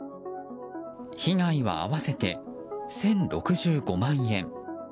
被害は合わせて１０６５万円。